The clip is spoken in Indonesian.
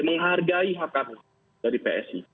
menghargai hak kami dari psi